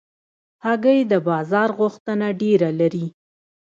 هګۍ د بازار غوښتنه ډېره لري.